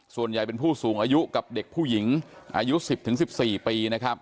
ส่วนใหญ่เป็นผู้สูงอายุกับเด็กผู้หญิงอายุ๑๐๑๔ปีนะครับ